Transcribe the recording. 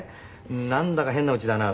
なんだか変な家だなと。